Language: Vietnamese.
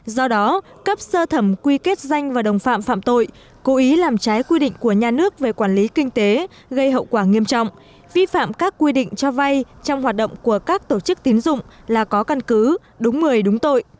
do đó cấp sơ thẩm quy kết danh và đồng phạm phạm tội cố ý làm trái quy định của nhà nước về quản lý kinh tế gây hậu quả nghiêm trọng vi phạm các quy định cho vay trong hoạt động của các tổ chức tín dụng là có căn cứ đúng người đúng tội